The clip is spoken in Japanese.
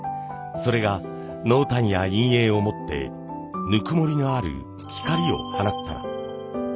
それが濃淡や陰影を持ってぬくもりのある光を放ったら。